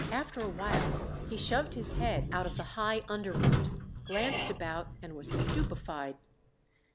After a while he shoved his head out of the high underwood, glanced about and was stupefied.